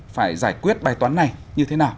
phải giải quyết bài toán này như thế nào